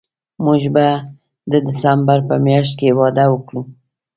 موږ به د ډسمبر په میاشت کې واده وکړو